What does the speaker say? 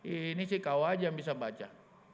ini sih kau saja yang bisa baca